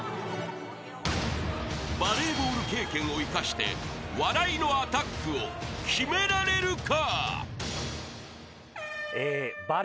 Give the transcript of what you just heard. ［バレーボール経験を生かして笑いのアタックを決められるか？］